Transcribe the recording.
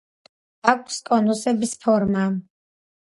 აქვს კონუსების ფორმა.